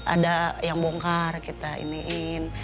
ada yang bongkar kita iniin